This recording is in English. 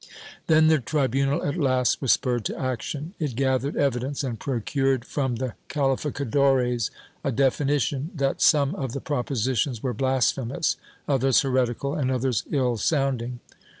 Then the tribimal at last was spurred to action; it gathered evidence and procured from the cahficadores a definition that some of the propositions were blasphemous, others heretical and others ill sounding.